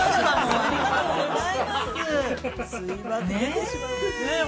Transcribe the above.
◆ありがとうございます。